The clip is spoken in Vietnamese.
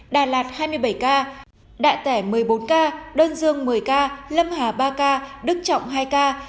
đà lạt hai mươi bảy ca đại tẻ một mươi bốn ca đơn dương một mươi ca lâm hà ba ca đức trọng hai ca